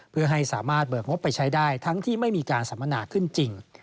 เพื่อให้สามารถเบิกงบไปใช้ได้ทั้งที่ไม่มีการสัมมนาขึ้นจริง